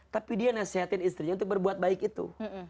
tapi dia nasehatin istrinya untuk berbuat baik itu